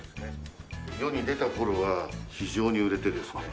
世に出た頃は非常に売れてですね